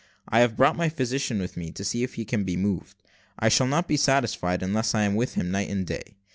"I have brought my physician with me, to see if he can be moved. I shall not be satisfied unless I am with him night and day."